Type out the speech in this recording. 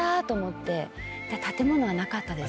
建物はなかったです。